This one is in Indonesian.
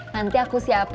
nanti aku siapin satu kodi